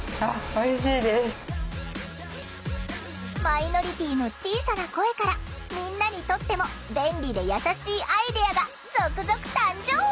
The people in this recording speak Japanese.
マイノリティーの小さな声からみんなにとっても便利で優しいアイデアが続々誕生！